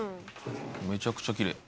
めちゃくちゃきれい。